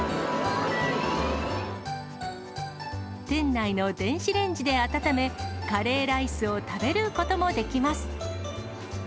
店内の電子レンジで温め、カレーライスを食べることもできます。